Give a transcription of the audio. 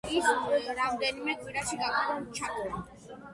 თუმცა, ის რამდენიმე კვირაში ჩაქრა.